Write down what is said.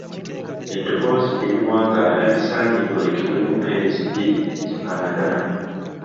Eddoboozi eriwangaala lisaanye lyolekebwe n’empeerezi bbiri ezifaanagana.